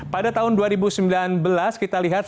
pada tahun dua ribu sembilan belas kita lihat